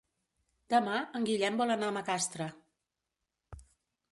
Demà en Guillem vol anar a Macastre.